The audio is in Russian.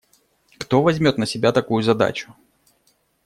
Кто возьмет на себя такую задачу?